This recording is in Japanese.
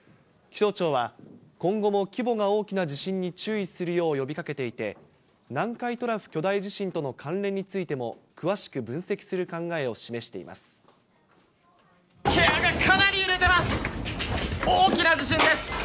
気象庁は、今後も規模が大きな地震に注意するよう呼びかけていて、南海トラフ巨大地震との関連についても、詳しく分析する考えを示しています。